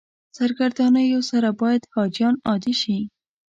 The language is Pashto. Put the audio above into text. سرګردانیو سره باید حاجیان عادي شي.